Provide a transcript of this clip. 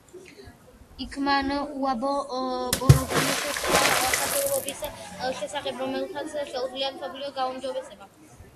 იქ მან უამბო პროგრამის ცხრა ფასეულობის შესახებ, რომლებსაც შეუძლიათ მსოფლიოს გაუმჯობესება.